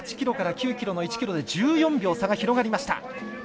８ｋｍから９ｋｍの１ｋｍで１４秒の差が広がりました。